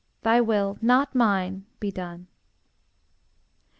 thy will, not mine, be done.